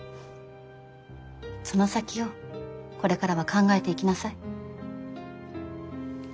その先をこれからは考えていきなさい。